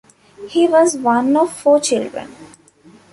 He was one of four children.